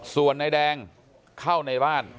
ส่วนนายแดงเข้าในบ้าน